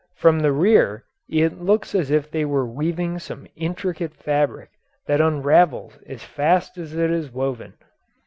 From the rear it looks as if they were weaving some intricate fabric that unravels as fast as it is woven.